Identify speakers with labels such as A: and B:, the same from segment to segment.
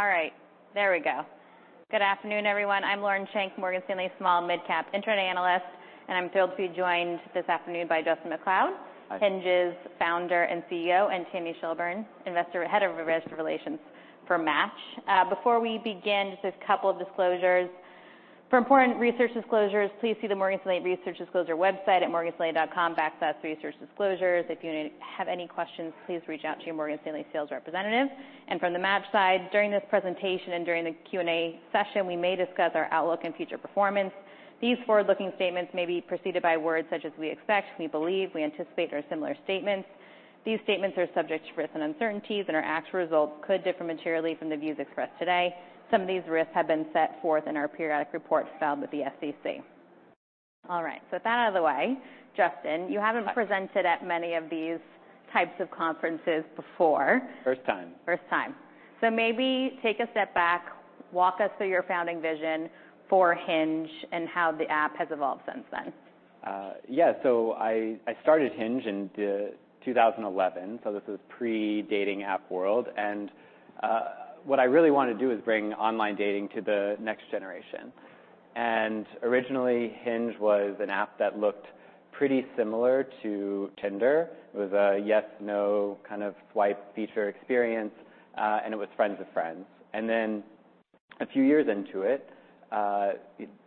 A: All right. There we go. Good afternoon, everyone. I'm Lauren Schenk, Morgan Stanley small midcap internet analyst. I'm thrilled to be joined this afternoon by Justin McLeod.
B: Hi.
A: Hinge's founder and CEO, Tanny Shelburne, head of investor relations for Match. Before we begin, just a couple of disclosures. For important research disclosures, please see the Morgan Stanley Research Disclosure website at morganstanley.com/researchdisclosures. If you have any questions, please reach out to your Morgan Stanley sales representative. From the Match side, during this presentation and during the Q&A session, we may discuss our outlook and future performance. These forward-looking statements may be preceded by words such as we expect, we believe, we anticipate, or similar statements. These statements are subject to risks and uncertainties, our actual results could differ materially from the views expressed today. Some of these risks have been set forth in our periodic reports filed with the SEC. All right, with that out of the way, Justin, you haven't presented at many of these types of conferences before.
B: First time.
A: First time. Maybe take a step back, walk us through your founding vision for Hinge and how the app has evolved since then.
B: Yeah. I started Hinge in 2011, so this is pre-dating app world. What I really wanted to do was bring online dating to the next generation. Originally, Hinge was an app that looked pretty similar to Tinder. It was a yes, no kind of swipe feature experience, and it was friends of friends. A few years into it,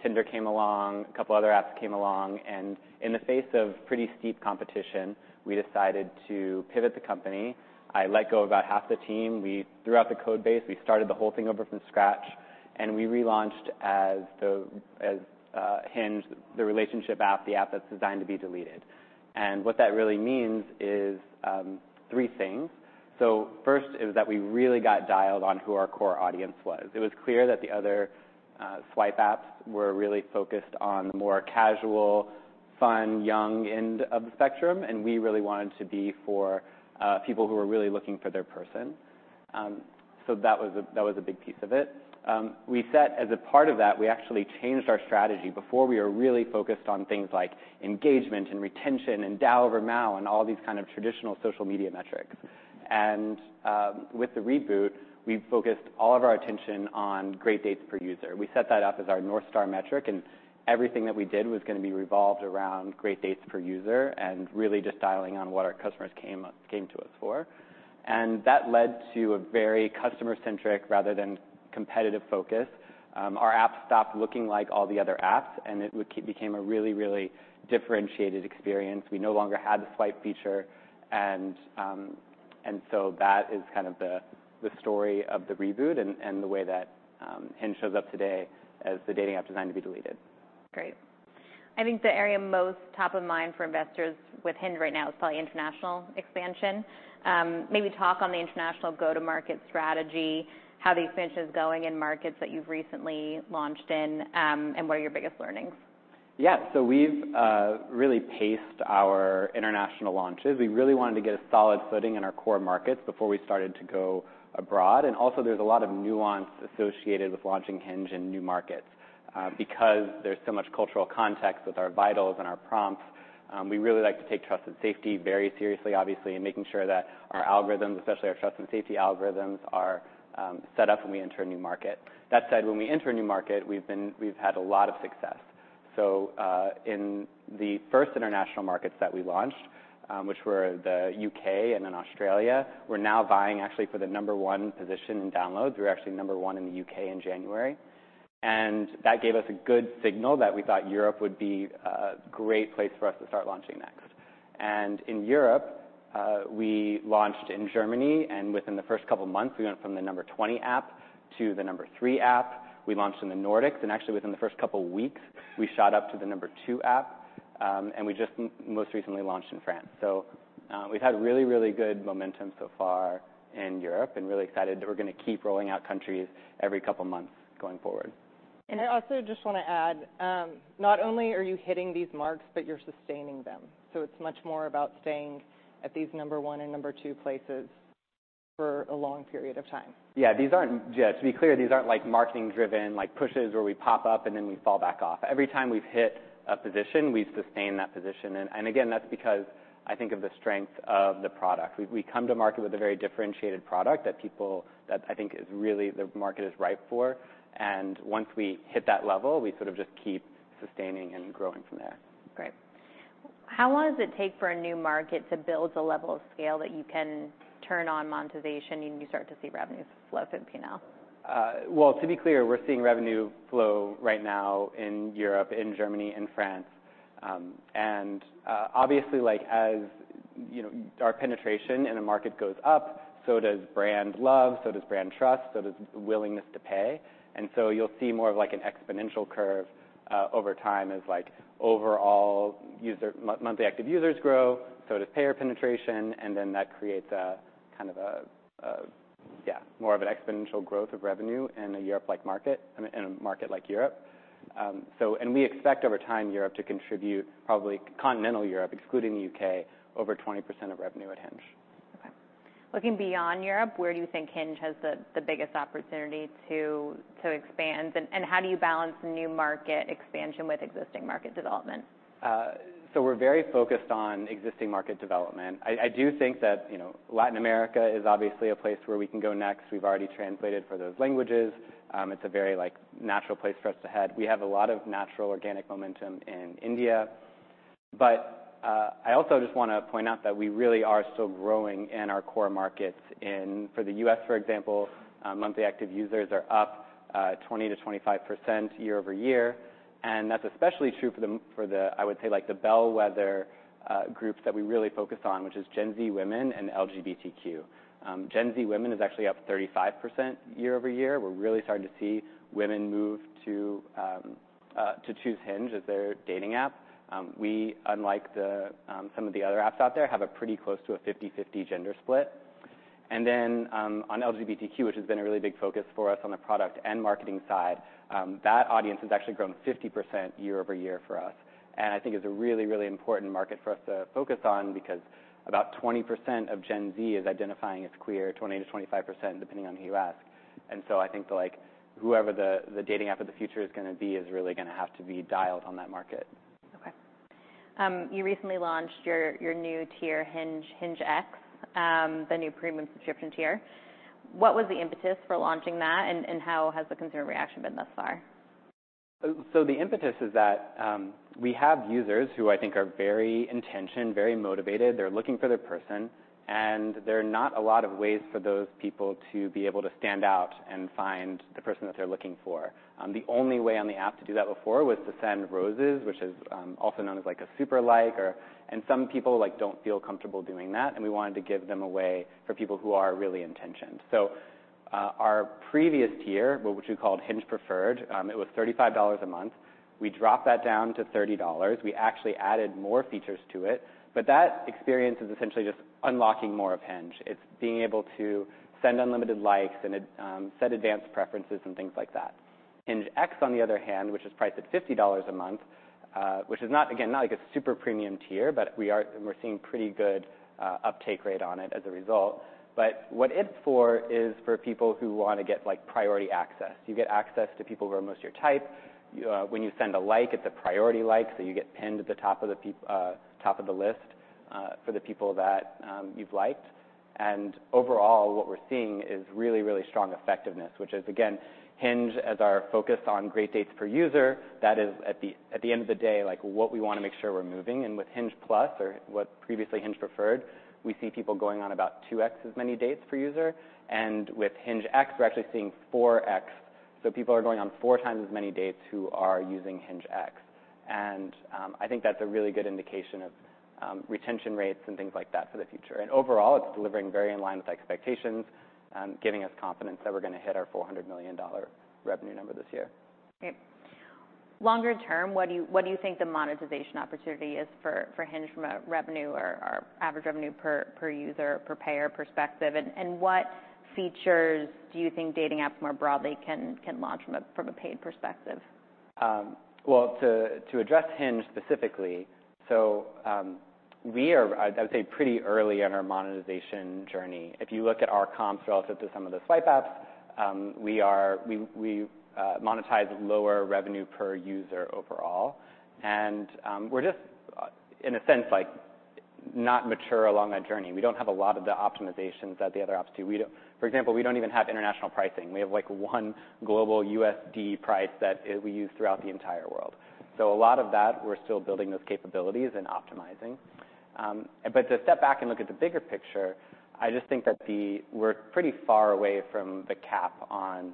B: Tinder came along, a couple other apps came along, and in the face of pretty steep competition, we decided to pivot the company. I let go of about half the team. We threw out the code base. We started the whole thing over from scratch, and we relaunched as Hinge, the relationship app, the app that's designed to be deleted. What that really means is three things. First is that we really got dialed on who our core audience was. It was clear that the other swipe apps were really focused on the more casual, fun, young end of the spectrum, and we really wanted to be for people who are really looking for their person. That was a big piece of it. We set as a part of that, we actually changed our strategy. Before, we were really focused on things like engagement and retention and DAU over MAU and all these kind of traditional social media metrics. With the reboot, we focused all of our attention on Great Dates Per User. We set that up as our North Star metric, and everything that we did was going to be revolved around Great Dates Per User and really just dialing on what our customers came to us for. That led to a very customer-centric rather than competitive focus. Our app stopped looking like all the other apps, it became a really, really differentiated experience. We no longer had the swipe feature, so that is kind of the story of the reboot and the way that Hinge shows up today as the dating app designed to be deleted.
A: Great. I think the area most top of mind for investors with Hinge right now is probably international expansion. Maybe talk on the international go-to-market strategy, how the expansion is going in markets that you've recently launched in, what are your biggest learnings?
B: Yeah. We've really paced our international launches. We really wanted to get a solid footing in our core markets before we started to go abroad. Also there's a lot of nuance associated with launching Hinge in new markets. Because there's so much cultural context with our vitals and our prompts, we really like to take trust and safety very seriously, obviously, and making sure that our algorithms, especially our trust and safety algorithms, are set up when we enter a new market. That said, when we enter a new market, we've had a lot of success. In the first international markets that we launched, which were the U.K., and then Australia, we're now vying actually for the number 1 position in downloads. We're actually number one in the U.K., in January. That gave us a good signal that we thought Europe would be a great place for us to start launching next. In Europe, we launched in Germany, and within the first couple of months, we went from the number 20 app to the number 3 app. We launched in the Nordics, and actually within the first couple weeks, we shot up to the number 2 app. We just most recently launched in France. We've had really, really good momentum so far in Europe and really excited that we're going to keep rolling out countries every couple of months going forward.
C: I also just want to add, not only are you hitting these marks, but you're sustaining them. It's much more about staying at these number one and number two places for a long period of time.
B: To be clear, these aren't like marketing-driven pushes where we pop up and then we fall back off. Every time we've hit a position, we've sustained that position. Again, that's because I think of the strength of the product. We come to market with a very differentiated product that people that I think is really the market is ripe for. Once we hit that level, we sort of just keep sustaining and growing from there.
A: Great. How long does it take for a new market to build a level of scale that you can turn on monetization and you start to see revenues flow through P&L?
B: Well, to be clear, we're seeing revenue flow right now in Europe, in Germany, in France. Obviously, like as, you know, our penetration in a market goes up, so does brand love, so does brand trust, so does willingness to pay. You'll see more of like an exponential curve over time as like overall monthly active users grow, so does payer penetration, and then that creates a more of an exponential growth of revenue in a market like Europe. We expect over time Europe to contribute, probably continental Europe, excluding the U.K,, over 20% of revenue at Hinge.
A: Looking beyond Europe, where do you think Hinge has the biggest opportunity to expand? How do you balance new market expansion with existing market development?
B: We're very focused on existing market development. I do think that, you know, Latin America is obviously a place where we can go next. We've already translated for those languages. It's a very natural place for us to head. We have a lot of natural organic momentum in India. I also just want to point out that we really are still growing in our core markets. For the U.S., for example, monthly active users are up 20%-25% year-over-year, and that's especially true for the, I would say, like, the bellwether groups that we really focus on, which is Gen Z women and LGBTQ. Gen Z women is actually up 35% year-over-year. We're really starting to see women move to choose Hinge as their dating app. We, unlike some of the other apps out there, have a pretty close to a 50/50 gender split. On LGBTQ, which has been a really big focus for us on the product and marketing side, that audience has actually grown 50% year-over-year for us. I think it's a really, really important market for us to focus on because about 20% of Gen Z is identifying as queer, 20%-25%, depending on who you ask. I think that whoever the dating app of the future is going to be, is really going to have to be dialed on that market.
A: Okay. you recently launched your new tier Hinge, HingeX, the new premium subscription tier. What was the impetus for launching that, and how has the consumer reaction been thus far?
B: The impetus is that we have users who I think are very intentioned, very motivated. They're looking for their person, there are not a lot of ways for those people to be able to stand out and find the person that they're looking for. The only way on the app to do that before was to send Roses, which is also known as, like, a super like or. Some people don't feel comfortable doing that, and we wanted to give them a way for people who are really intentioned. Our previous tier, which we called Hinge Preferred, it was $35 a month. We dropped that down to $30. We actually added more features to it. That experience is essentially just unlocking more of Hinge. It's being able to send unlimited likes and set advanced preferences and things like that. HingeX, on the other hand, which is priced at $50 a month, which is again not like a super premium tier, but we're seeing pretty good uptake rate on it as a result. What it's for is for people who want to get priority access. You get access to people who are most your type. When you send a like, it's a priority like, so you get pinned at the top of the list for the people that you've liked. Overall, what we're seeing is really strong effectiveness, which is, again, Hinge as our focus on Great Dates Per User. That is at the end of the day, like, what we want to make sure we're moving. With Hinge+ or what previously Hinge Preferred, we see people going on about 2x as many dates per user. With HingeX, we're actually seeing 4x. People are going on 4 times as many dates who are using HingeX. I think that's a really good indication of retention rates and things like that for the future. Overall, it's delivering very in line with expectations, giving us confidence that we're going to hit our $400 million revenue number this year.
A: Okay. Longer term, what do you think the monetization opportunity is for Hinge from a revenue or average revenue per user, per payer perspective? What features do you think dating apps more broadly can launch from a paid perspective?
B: Well to address Hinge specifically, we are, I would say pretty early in our monetization journey. If you look at our comps relative to some of the swipe apps, we monetize lower revenue per user overall. We're just, in a sense, like, not mature along that journey. We don't have a lot of the optimizations that the other apps do. For example, we don't even have international pricing. We have, like, one global USD price that, we use throughout the entire world. A lot of that, we're still building those capabilities and optimizing. To step back and look at the bigger picture, I just think that we're pretty far away from the cap on,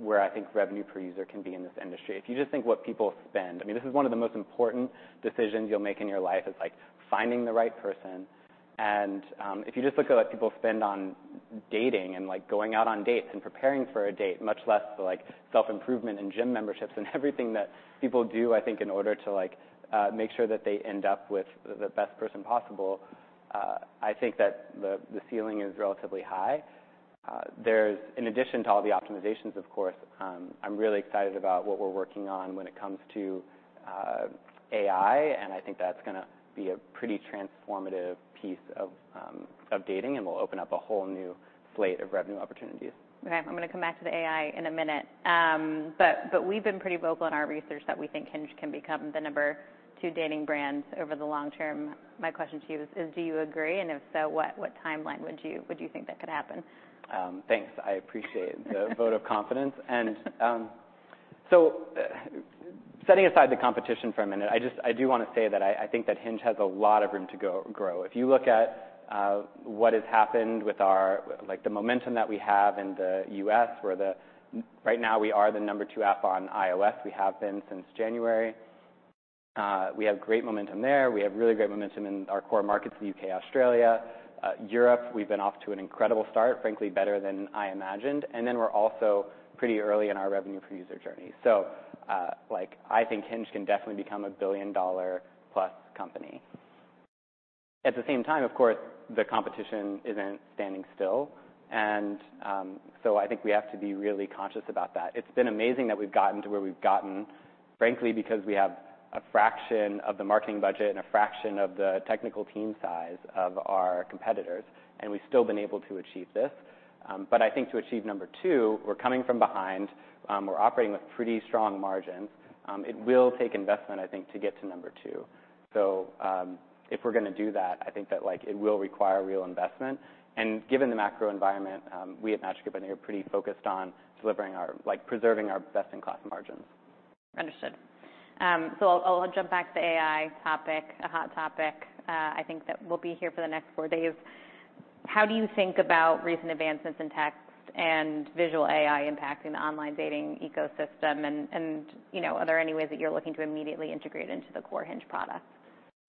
B: where I think revenue per user can be in this industry. If you just think what people spend, I mean, this is one of the most important decisions you'll make in your life is finding the right person. If you just look at what people spend on dating and going out on dates and preparing for a date, much less like self-improvement and gym memberships and everything that people do, I think, in order to make sure that they end up with the best person possible, I think that the ceiling is relatively high. There's, in addition to all the optimizations, of course, I'm really excited about what we're working on when it comes to AI, and I think that's going to be a pretty transformative piece of dating and will open up a whole new slate of revenue opportunities.
A: Okay. I'm going to come back to the AI in a minute. But we've been pretty vocal in our research that we think Hinge can become the number two dating brand over the long term. My question to you is, do you agree? If so, what timeline would you think that could happen?
B: Thanks. I appreciate the vote of confidence. Setting aside the competition for a minute, I do want to say that I think that Hinge has a lot of room to go grow. If you look at like the momentum that we have in the U.S., right now we are the number 2 app on iOS. We have been since January. We have great momentum there. We have really great momentum in our core markets, the U.K., Australia. Europe, we've been off to an incredible start, frankly, better than I imagined. We're also pretty early in our revenue per user journey. I think Hinge can definitely become a $1 billion plus company. At the same time, of course, the competition isn't standing still. I think we have to be really conscious about that. It's been amazing that we've gotten to where we've gotten. Frankly, because we have a fraction of the marketing budget and a fraction of the technical team size of our competitors, and we've still been able to achieve this. But I think to achieve number two, we're coming from behind, we're operating with pretty strong margins. It will take investment, I think, to get to number two. If we're going to do that, I think that, like, it will require real investment. Given the macro environment, we at Match Group are pretty focused on delivering our like, preserving our best-in-class margins.
A: Understood. I'll jump back to AI topic, a hot topic, I think that will be here for the next four days. How do you think about recent advancements in text and visual AI impacting the online dating ecosystem? Are there any ways that you're looking to immediately integrate into the core Hinge products?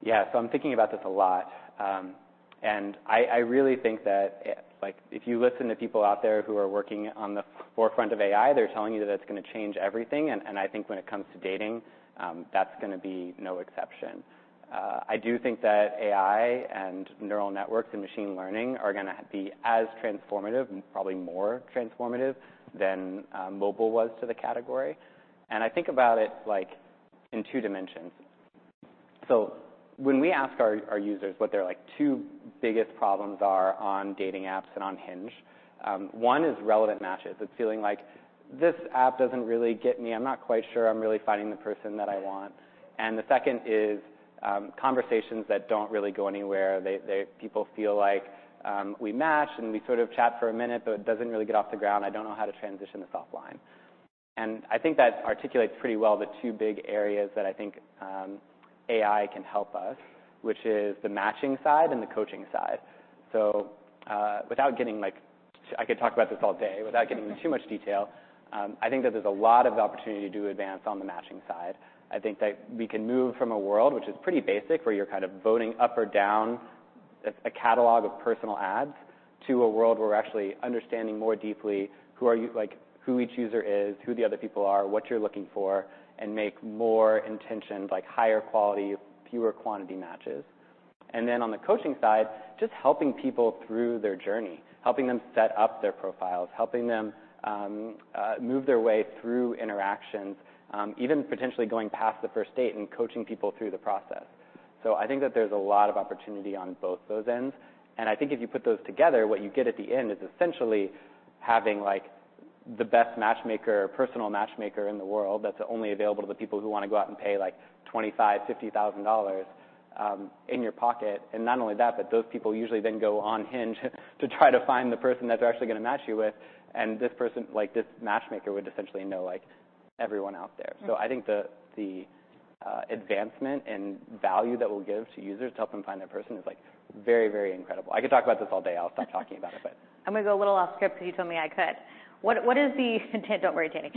B: Yeah. I'm thinking about this a lot. I really think that if you listen to people out there who are working on the forefront of AI, they're telling you that it's going to change everything. I think when it comes to dating, that's going to be no exception. I do think that AI and neural networks and machine learning are going to be as transformative and probably more transformative than mobile was to the category. I think about it, in two dimensions. When we ask our users what their two biggest problems are on dating apps and on Hinge, one is relevant matches. It's feeling like, this app doesn't really get me. I'm not quite sure I'm really finding the person that I want. The second is conversations that don't really go anywhere. People feel like, we match and we sort of chat for a minute, but it doesn't really get off the ground. I don't know how to transition this offline. I think that articulates pretty well the two big areas that I think, AI can help us, which is the matching side and the coaching side. I could talk about this all day. Without getting into too much detail, I think that there's a lot of opportunity to advance on the matching side. I think that we can move from a world which is pretty basic, where you're kind of voting up or down a catalog of personal ads, to a world where we're actually understanding more deeply who each user is, who the other people are, what you're looking for, and make more intentioned like higher quality, fewer quantity matches. On the coaching side, just helping people through their journey. Helping them set up their profiles, helping them move their way through interactions, even potentially going past the first date and coaching people through the process. I think that there's a lot of opportunity on both those ends. I think if you put those together, what you get at the end is essentially having the best matchmaker or personal matchmaker in the world that's only available to people who want to go out and pay, like, $25,000-$50,000 in your pocket. Not only that, but those people usually then go on Hinge to try to find the person that they're actually going to match you with and this person, like, this matchmaker would essentially know everyone out there. I think the advancement and value that we'll give to users to help them find their person is very incredible. I could talk about this all day. I'll stop talking about it, but.
A: I'm going to go a little off script because you told me I could. Don't worry, Tanny.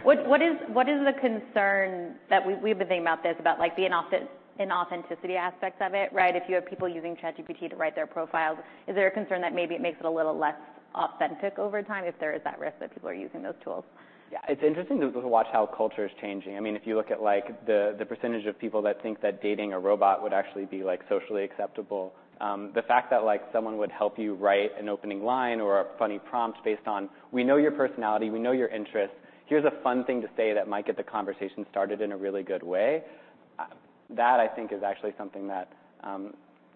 A: What is the concern that we've been thinking about this, like the inauthenticity aspects of it, right? If you have people using ChatGPT to write their profiles, is there a concern that maybe it makes it a little less authentic over time if there is that risk that people are using those tools?
B: Yeah. It's interesting to watch how culture is changing. I mean, if you look at, like, the percentage of people that think that dating a robot would actually be, like, socially acceptable. The fact that someone would help you write an opening line or a funny prompt based on, we know your personality, we know your interests. Here's a fun thing to say that might get the conversation started in a really good way, that I think is actually something that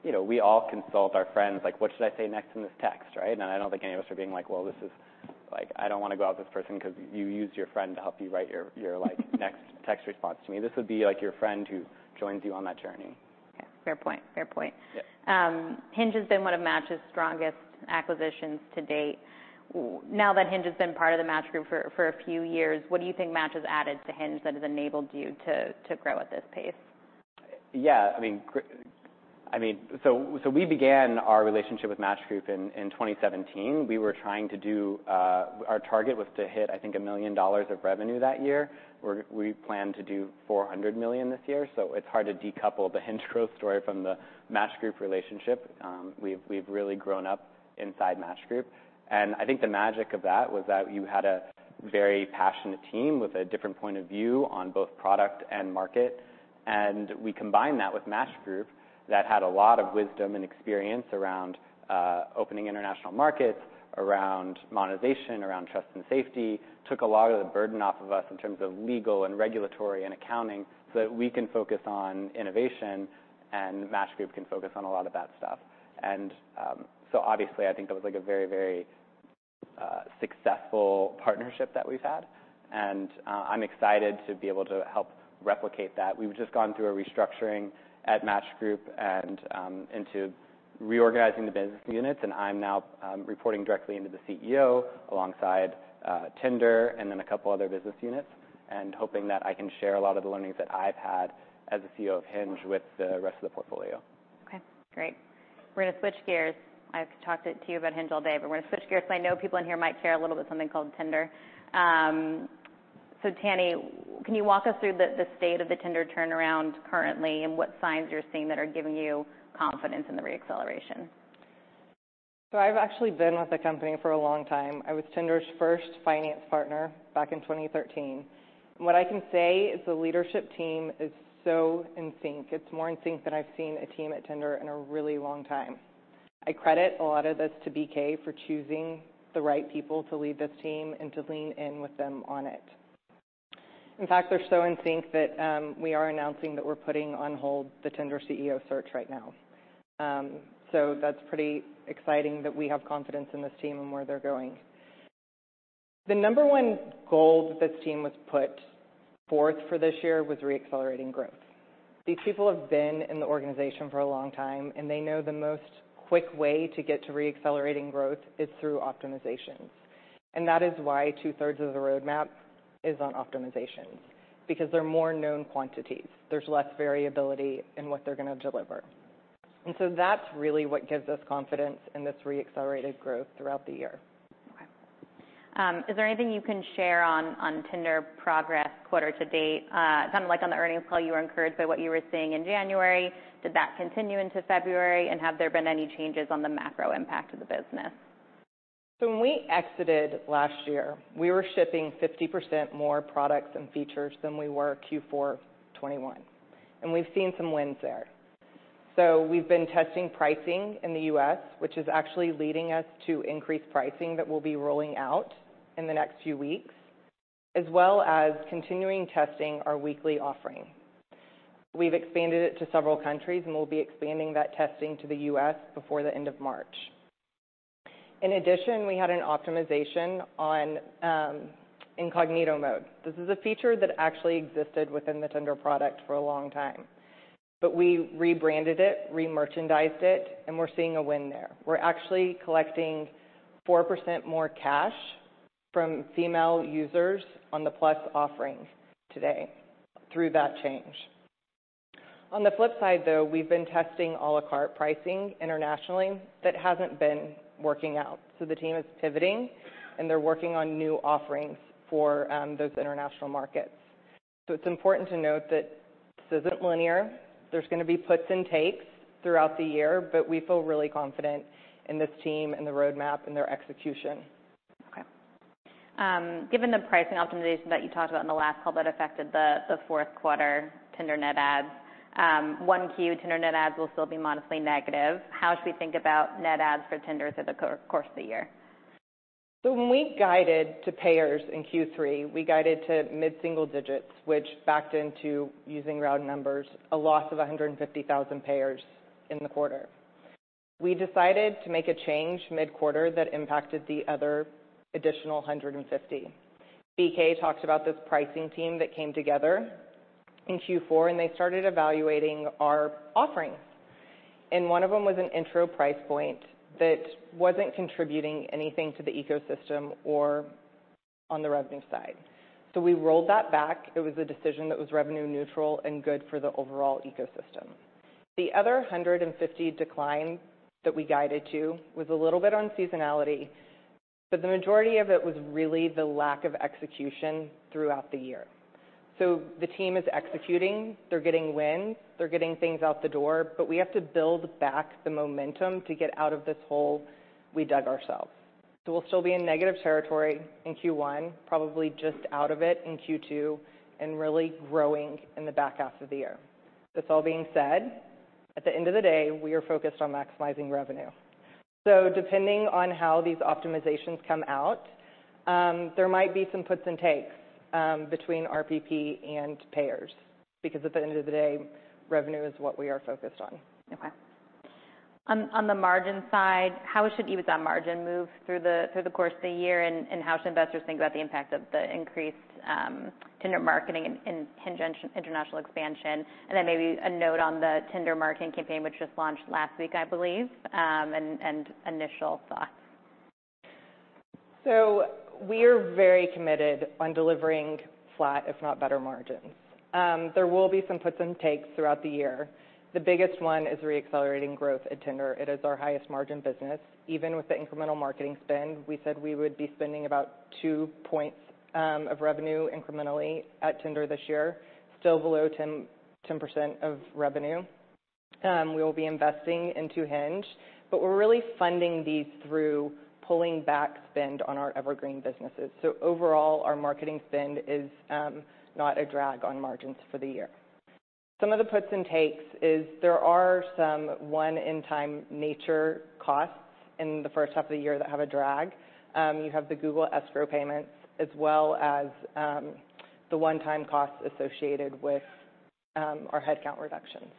B: we all consult our friends, like what should I say next in text? I don't think any of us are being like, well, this is Like, I don't want to go out with this person because you used your friend to help you write your, like, next text response to me. This would be like your friend who joins you on that journey.
A: Okay. Fair point.
B: Yeah.
A: Hinge has been one of Match's strongest acquisitions to date. Now that Hinge has been part of the Match Group for a few years, what do you think Match has added to Hinge that has enabled you to grow at this pace?
B: Yeah. I mean we began our relationship with Match Group in 2017. We were trying to do. Our target was to hit, I think, $1 million of revenue that year. We plan to do $400 million this year. It's hard to decouple the Hinge growth story from the Match Group relationship. We've really grown up inside Match Group. I think the magic of that was that you had a very passionate team with a different point of view on both product and market, and we combined that with Match Group that had a lot of wisdom and experience around opening international markets, around monetization, around trust and safety. Took a lot of the burden off of us in terms of legal and regulatory and accounting, so that we can focus on innovation. Match Group can focus on a lot of that stuff. Obviously I think that was a very successful partnership that we've had. I'm excited to be able to help replicate that. We've just gone through a restructuring at Match Group and into reorganizing the business units. I'm now reporting directly into the CEO alongside Tinder and then a couple other business units. Hoping that I can share a lot of the learnings that I've had as a CEO of Hinge with the rest of the portfolio.
A: Okay, great. We're going to switch gears. I've talked to you about Hinge all day, but we're going to switch gears because I know people in here might care a little about something called Tinder. Tanny, can you walk us through the state of the Tinder turnaround currently, and what signs you're seeing that are giving you confidence in the re-acceleration?
C: I've actually been with the company for a long time. I was Tinder's first finance partner back in 2013. What I can say is the leadership team is so in sync. It's more in sync than I've seen a team at Tinder in a really long time. I credit a lot of this to BK for choosing the right people to lead this team and to lean in with them on it. In fact, they're so in sync that, we are announcing that we're putting on hold the Tinder CEO search right now. That's pretty exciting that we have confidence in this team and where they're going. The number one goal that this team has put forth for this year was re-accelerating growth. These people have been in the organization for a long time. They know the most quick way to get to re-accelerating growth is through optimizations. That is why two-thirds of the roadmap is on optimization because they're more known quantities. There's less variability in what they're going to deliver. That's really what gives us confidence in this re-accelerated growth throughout the year.
A: Okay. Is there anything you can share on Tinder progress quarter to date like on the earnings call, you were encouraged by what you were seeing in January? Did that continue into February, and have there been any changes on the macro impact of the business?
C: When we exited last year, we were shipping 50% more products and features than we were Q4 2021, and we've seen some wins there. We've been testing pricing in the U.S., which is actually leading us to increase pricing that we'll be rolling out in the next few weeks, as well as continuing testing our weekly offering. We've expanded it to several countries, and we'll be expanding that testing to the U.S., before the end of March. In addition, we had an optimization on Incognito Mode. This is a feature that actually existed within the Tinder product for a long time. We rebranded it, re-merchandised it, and we're seeing a win there. We're actually collecting 4% more cash from female users on the Hinge+ offerings today through that change. On the flip side, though, we've been testing à la carte pricing internationally. That hasn't been working out, the team is pivoting, and they're working on new offerings for those international markets. It's important to note that this isn't linear. There's going to be puts and takes throughout the year, but we feel really confident in this team and the roadmap and their execution.
A: Okay. Given the pricing optimization that you talked about in the last call that affected the fourth quarter Tinder net adds, one key with Tinder net adds will still be modestly negative. How should we think about net adds for Tinder through the course of the year?
C: When we guided to payers in Q3, we guided to mid-single digits, which backed into, using round numbers, a loss of 150,000 payers in the quarter. We decided to make a change mid-quarter that impacted the other additional 150. BK talked about this pricing team that came together in Q4, and they started evaluating our offerings. One of them was an intro price point that wasn't contributing anything to the ecosystem or on the revenue side. We rolled that back. It was a decision that was revenue neutral and good for the overall ecosystem. The other 150 decline that we guided to was a little bit on seasonality, but the majority of it was really the lack of execution throughout the year. The team is executing. They're getting wins. They're getting things out the door, we have to build back the momentum to get out of this hole we dug ourselves. We'll still be in negative territory in Q1, probably just out of it in Q2, and really growing in the back half of the year. This all being said, at the end of the day, we are focused on maximizing revenue. Depending on how these optimizations come out, there might be some puts and takes between RPP and payers because at the end of the day, revenue is what we are focused on.
A: Okay. On the margin side, how should EBITDA margin move through the course of the year, and how should investors think about the impact of the increased Tinder marketing and Hinge international expansion? Maybe a note on the Tinder marketing campaign, which just launched last week, I believe, and initial thoughts.
C: We're very committed on delivering flat, if not better margins. There will be some puts and takes throughout the year. The biggest one is re-accelerating growth at Tinder. It is our highest margin business. Even with the incremental marketing spend, we said we would be spending about 2 points of revenue incrementally at Tinder this year, still below 10% of revenue. We will be investing into Hinge, but we're really funding these through pulling back spend on our evergreen businesses. Overall, our marketing spend is not a drag on margins for the year. Some of the puts and takes is there are some one-time nature costs in the first half of the year that have a drag. You have the Google escrow payments as well as the one-time costs associated with our headcount reductions.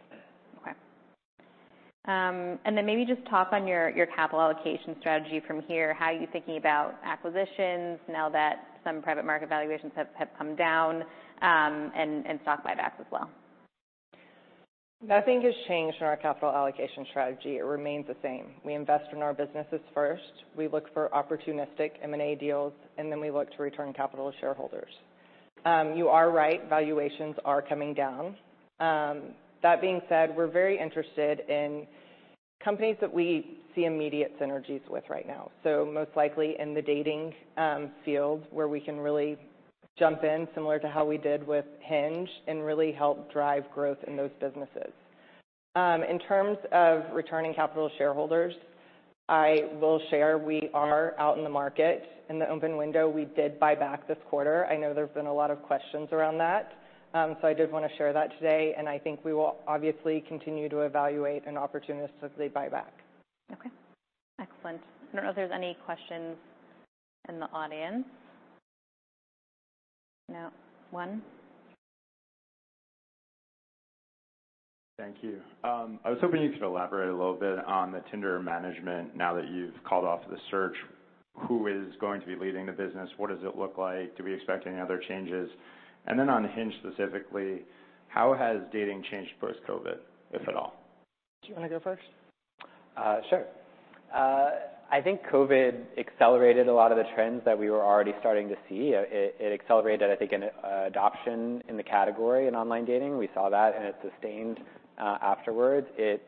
A: Okay. Maybe just talk on your capital allocation strategy from here. How are you thinking about acquisitions now that some private market valuations have come down, and stock buybacks as well?
C: Nothing has changed in our capital allocation strategy. It remains the same. We invest in our businesses first, we look for opportunistic M&A deals, then we look to return capital to shareholders. You are right, valuations are coming down. That being said, we're very interested in companies that we see immediate synergies with right now, most likely in the dating field, where we can really jump in similar to how we did with Hinge and really help drive growth in those businesses. In terms of returning capital to shareholders, I will share, we are out in the market. In the open window, we did buy back this quarter. I know there's been a lot of questions around that. I did want to share that today, I think we will obviously continue to evaluate and opportunistically buy back.
A: Okay. Excellent. I don't know if there's any questions in the audience. one.
D: Thank you. I was hoping you could elaborate a little bit on the Tinder management now that you've called off the search. Who is going to be leading the business? What does it look like? Do we expect any other changes? On Hinge specifically, how has dating changed post-COVID, if at all?
C: Do you want to go first?
B: Sure. I think COVID accelerated a lot of the trends that we were already starting to see. It accelerated, I think an adoption in the category in online dating. We saw that and it sustained afterwards. It,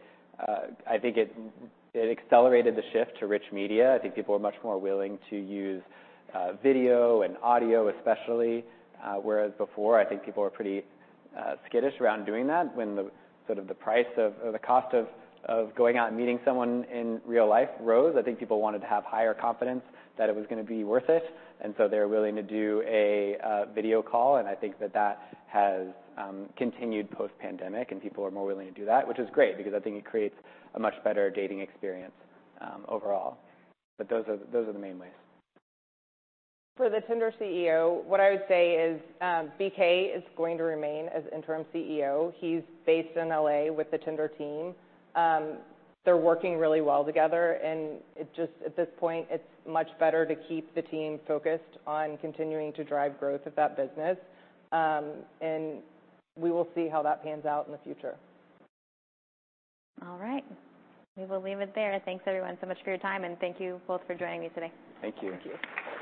B: I think it accelerated the shift to reach media. I think people are much more willing to use video and audio especially, whereas before I think people were pretty skittish around doing that. When the sort of the price of, or the cost of going out and meeting someone in real life rose, I think people wanted to have higher confidence that it was going to be worth it. They're willing to do a video call, and I think that that has continued post-pandemic and people are more willing to do that, which is great because I think it creates a much better dating experience overall. Those are the main ways.
C: For the Tinder CEO, what I would say is, BK is going to remain as interim CEO. He's based in L.A., with the Tinder team. They're working really well together, and it just, at this point, it's much better to keep the team focused on continuing to drive growth of that business. We will see how that pans out in the future.
A: All right. We will leave it there. Thanks everyone so much for your time, and thank you both for joining me today.
B: Thank you.
C: Thank you.